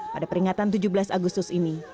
pada peringatan tujuh belas agustus ini